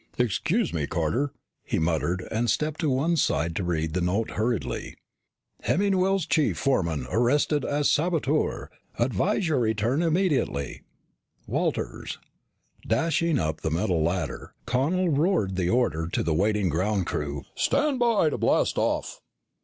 "Excuse me, Carter," he muttered and stepped to one side to read the note hurriedly. HEMMINGWELL'S CHIEF FOREMAN ARRESTED AS SABOTEUR. ADVISE YOU RETURN IMMEDIATELY. WALTERS Dashing up the metal ladder, Connel roared the order to the waiting ground crew. "Stand by to blast off."